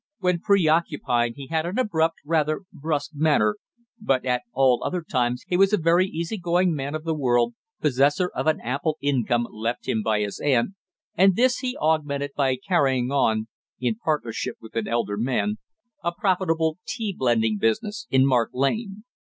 When pre occupied he had an abrupt, rather brusque manner, but at all other times he was a very easy going man of the world, possessor of an ample income left him by his aunt, and this he augmented by carrying on, in partnership with an elder man, a profitable tea blending business in Mark Lane.